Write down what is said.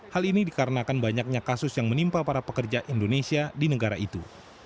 hal ini dikarenakan banyaknya kasus yang menimpa para pekerja indonesia di negara itu